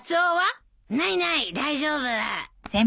ないない大丈夫。